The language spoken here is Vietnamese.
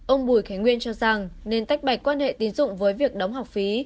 ông bùi khánh nguyên cho rằng nên tách bạch quan hệ tín dụng với việc đóng học phí